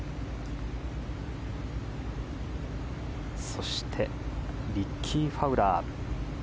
そして、リッキー・ファウラー。